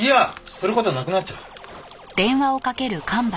する事なくなっちゃう。